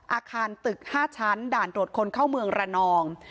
อาคารตึก๕ชั้นด่านตรวจคนเข้าเมืองระนอง